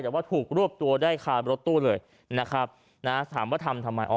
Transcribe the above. แต่ว่าถูกรวบตัวได้คารถตู้เลยนะครับนะถามว่าทำทำไมอ๋อ